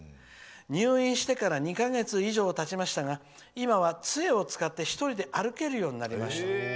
入院してから２か月以上たちましたが今は、つえを使って１人で歩けるようになりました」。